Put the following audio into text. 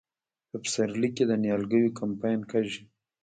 په پسرلي کې د نیالګیو کمپاین کیږي.